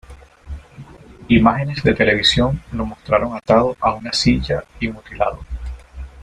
Imágenes de televisión lo mostraron atado a una silla y mutilado.